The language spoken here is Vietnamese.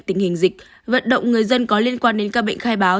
tình hình dịch vận động người dân có liên quan đến ca bệnh khai báo